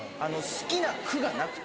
好きな句がなくて。